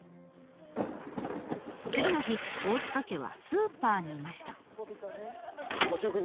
次の日大塚家はスーパーにいました。